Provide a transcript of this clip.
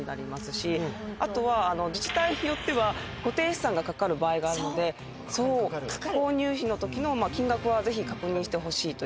後は自治体によっては固定資産がかかる場合があるので購入費のときの金額はぜひ確認してほしいということ。